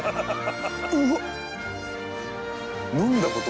うわっ！